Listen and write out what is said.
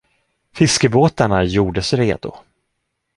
Fiskebåtarna gjordes redo.